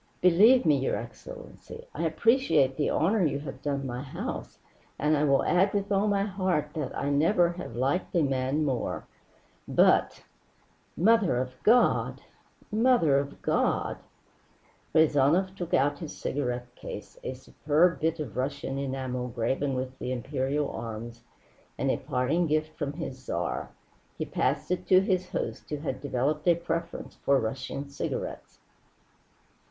"Believe me, your excellency, I appreciate the honor you have done my house, and I will add with all my heart that never have I liked a man more. But Mother of God! Mother of God!" Rezanov took out his cigarette case, a superb bit of Russian enamel, graven with the Imperial arms, and a parting gift from his Tsar. He passed it to his host, who had developed a preference for Russian cigarettes.